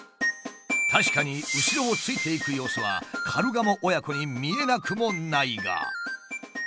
確かに後ろをついていく様子はカルガモ親子に見えなくもないが。